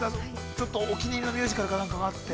ちょっとお気に入りのミュージカルか何かがあって。